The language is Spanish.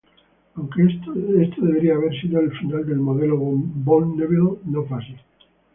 Aunque este debería haber sido el final del modelo Bonneville, no fue así.